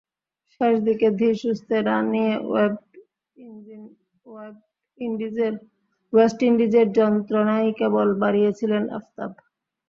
শেষ দিকে ধীরেসুস্থে রান নিয়ে ওয়েস্ট ইন্ডিজের যন্ত্রণাই কেবল বাড়িয়েছিলেন আফতাব।